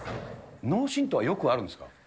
脳震とうはよくあるんですか？